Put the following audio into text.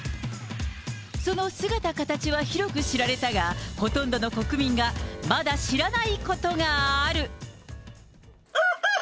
その姿形は広く知られたが、ほとんどの国民がまだ知らないことがある。